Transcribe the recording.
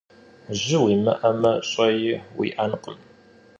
Jı vuimı'eme, ş'ei vui'ekhım.